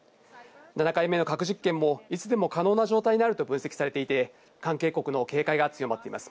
７回目の核実験もいつでも可能な状態にあると分析されていて関係国の警戒が強まっています。